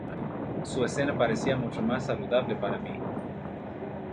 Su escena parecía mucho más saludable para mí.